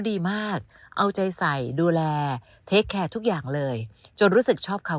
ดีมากเอาใจใส่ดูแลเทคแคร์ทุกอย่างเลยจนรู้สึกชอบเขา